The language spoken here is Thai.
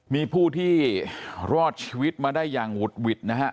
มีผู้ที่รอดชีวิตมาได้อย่างหุดหวิดนะฮะ